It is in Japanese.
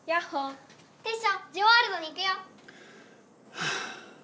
はあ。